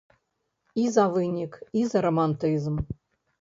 І за вынік, і за рамантызм.